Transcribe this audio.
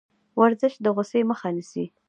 ورزش د غوسې مخه نیسي.